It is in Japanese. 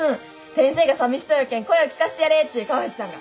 先生がさみしそうやけん声を聞かせてやれっち川藤さんが。